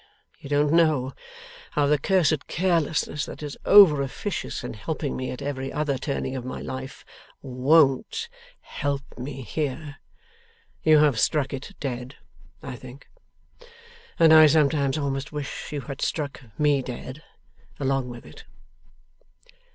You don't know how the cursed carelessness that is over officious in helping me at every other turning of my life, WON'T help me here. You have struck it dead, I think, and I sometimes almost wish you had struck me dead along with it.